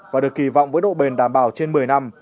và được kỳ vọng với độ bền đảm bảo trên một mươi năm